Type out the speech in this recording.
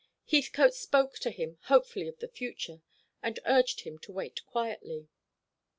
Heathcote spoke to him hopefully of the future, and urged him to wait quietly.